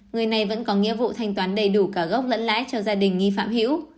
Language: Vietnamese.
người này vẫn có nghĩa vụ thanh toán đầy đủ cả gốc lẫn lãi cho gia đình nghi phạm hữu